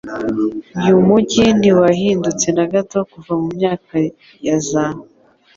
Uyu mujyi ntiwahindutse na gato kuva mu myaka ya za